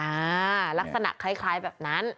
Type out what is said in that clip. ลักษณะคล้ายแบบนั้น